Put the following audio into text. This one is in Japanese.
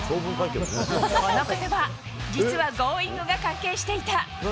このことば、実はＧｏｉｎｇ！が関係していた。